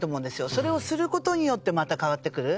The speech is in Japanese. それをする事によってまた変わってくる。